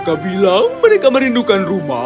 mereka bilang mereka merindukan rumah